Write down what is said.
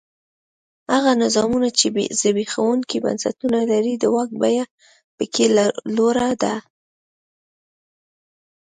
هغه نظامونه چې زبېښونکي بنسټونه لري د واک بیه په کې لوړه ده.